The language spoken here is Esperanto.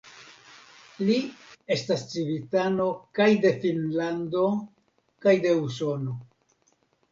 Li estas civitano kaj de Finnlando kaj de Usono.